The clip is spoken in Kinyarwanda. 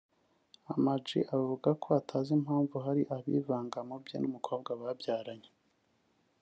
Ama-G avuga ko atazi impamvu hari abivanga mu bye n’umukobwa babyaranye